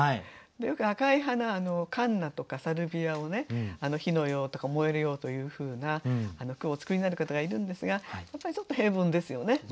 よく赤い花カンナとかサルビアを「火のよう」とか「燃えるよう」というふうな句をお作りになる方がいるんですがやっぱりちょっと平凡ですよね。